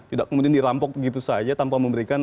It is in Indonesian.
tidak kemudian dirampok begitu saja tanpa memberikan